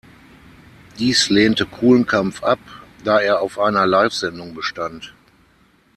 Dies lehnte Kulenkampff ab, da er auf einer Livesendung bestand.